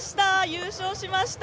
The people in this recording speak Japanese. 優勝しました。